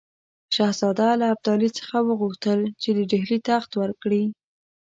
شهزاده له ابدالي څخه وغوښتل چې د ډهلي تخت ورکړي.